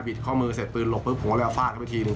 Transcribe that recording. บิดข้อมือเสร็จปืนหลบก็ผงเรียวฟาดไปทีนึง